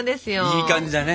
いい感じだね。